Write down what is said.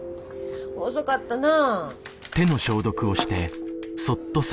遅かったな。